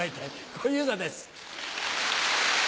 小遊三です。